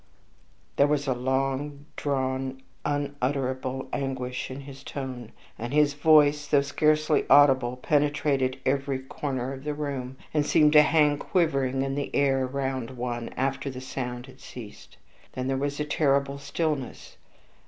There was a long drawn, unutterable anguish in his tone, and his voice, though scarcely audible, penetrated to every corner of the room, and seemed to hang quivering in the air around one after the sound had ceased. Then there was a terrible stillness.